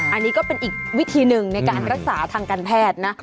อันนี้ก็เป็นอีกวิธีหนึ่งในการรักษาทางการแพทย์นะ